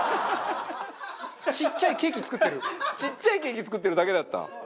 ちっちゃいケーキ作ってるだけだった。